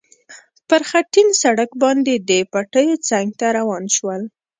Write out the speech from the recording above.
پر خټین سړک باندې د پټیو څنګ ته روان شول.